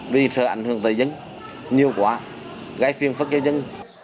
vì sợ ảnh hưởng tới dân nhiều quá gây phiền phức cho dân